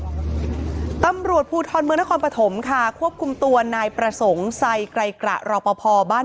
ตำรวจภูทรเมืองนครปฐมค่ะควบคุมตัวนายประสงค์ไซไกรกระรอปภบ้าน